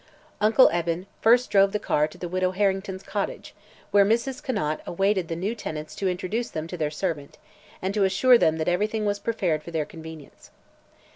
Uncle Eben first drove the car to the Widow Harrington's cottage, where Mrs. Conant awaited the new tenants to introduce them to their servant and to assure them that everything was prepared for their convenience.